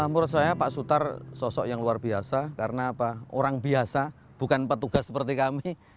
menurut saya pak sutar sosok yang luar biasa karena orang biasa bukan petugas seperti kami